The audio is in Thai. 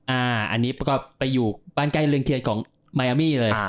อันนี้ก็ไปอยู่บ้านใกล้เรือนเทียนของมายอามี่เลย